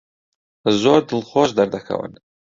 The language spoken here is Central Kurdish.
زۆر دڵخۆش دەردەکەون.